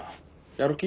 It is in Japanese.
やる気？